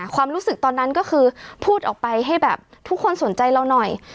ความรู้สึกตอนนั้นก็คือพูดออกไปให้แบบทุกคนสนใจเราหน่อย